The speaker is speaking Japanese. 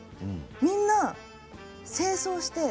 みんな正装して。